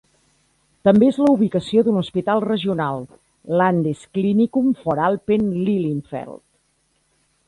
També és la ubicació d'un hospital regional, Landesklinikum Voralpen Lilienfeld.